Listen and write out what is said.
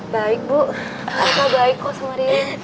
baik bu baik baik kok sama ririn